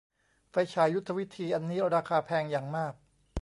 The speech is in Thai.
ไฟฉายยุทธวิธีอันนี้ราคาแพงอย่างมาก